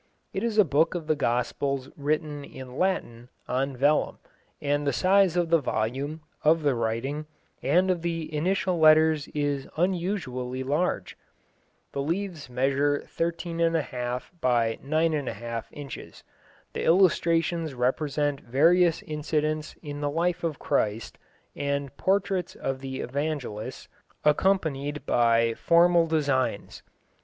It is a book of the Gospels written (in Latin) on vellum, and the size of the volume, of the writing, and of the initial letters is unusually large. The leaves measure 13½ x 9½ inches. The illustrations represent various incidents in the life of Christ, and portraits of the Evangelists, accompanied by formal designs.